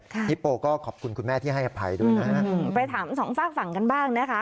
ฮิปโปก็ขอบคุณคุณแม่ที่ให้อภัยด้วยนะฮะไปถามสองฝากฝั่งกันบ้างนะคะ